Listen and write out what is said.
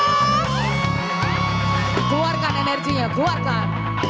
keluarkan energinya keluarkan